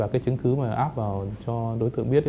cái chứng cứ mà app vào cho đối tượng biết